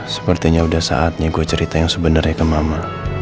sepertinya sudah saatnya gue cerita yang sebenarnya ke mama